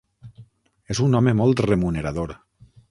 És un home molt remunerador.